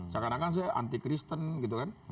seakan akan saya anti kristen gitu kan